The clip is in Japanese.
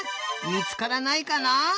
みつからないかな？